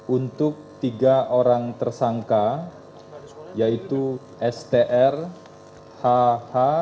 untuk tiga orang tersangka yaitu str hh